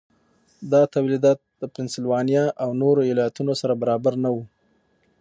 دا تولیدات د پنسلوانیا او نورو ایالتونو سره برابر نه وو.